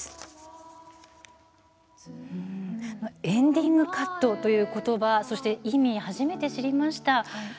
エンディングカットということばそして意味、初めて知りました。